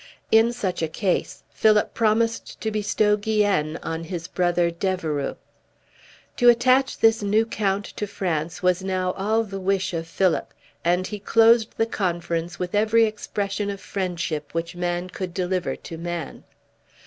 In such a case, Philip promised to bestow Guienne on his brother D'Evereux. To attach this new count to France was now all the wish of Philip, and he closed the conference with every expression of friendship which man could deliver to man.